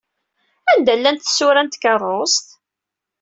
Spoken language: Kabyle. Anda llant tsura n tkeṛṛust?